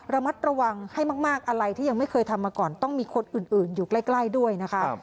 ระมัดระวังให้มากอะไรที่ยังไม่เคยทำมาก่อนต้องมีคนอื่นอยู่ใกล้ด้วยนะคะ